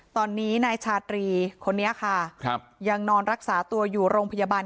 ตอนนี้นายชาตรีคนนี้ค่ะครับยังนอนรักษาตัวอยู่โรงพยาบาล